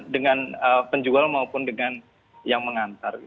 dengan penjual maupun dengan yang mengantar